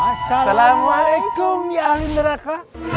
assalamualaikum ya ahli meraka